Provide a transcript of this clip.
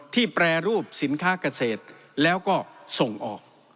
แปรรูปสินค้าเกษตรแล้วก็ส่งออก